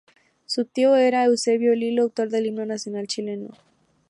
Su tío era Eusebio Lillo, autor del himno nacional chileno.